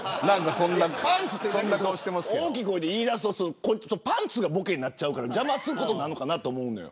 パンツって大きい声で言いだすとパンツがボケになっちゃうから邪魔するかなと思うのよ。